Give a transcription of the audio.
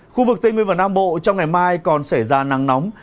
khu vực tây nguyên và nam bộ trong ngày mai còn xảy ra nắng nóng